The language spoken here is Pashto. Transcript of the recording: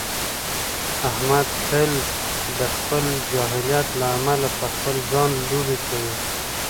احمد تل د خپل جاهلیت له امله په خپل ځان لوبې کوي.